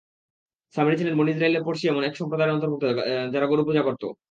সামিরী ছিল বনী ইসরাঈলের পড়শী এমন এক সম্প্রদায়ের অন্তর্ভুক্ত যারা গরু পূজা করত।